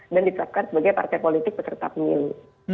dan ditetapkan sebagai partai politik peserta pemilu